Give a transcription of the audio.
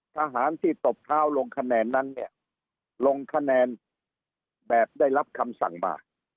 ทหารที่ตบเท้าลงคะแนนนั้นเนี่ยลงคะแนนแบบได้รับคำสั่งมา